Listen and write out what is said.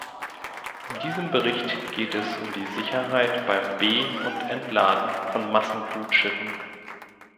In diesem Bericht geht es um die Sicherheit beim Be- und Entladen von Massengutschiffen.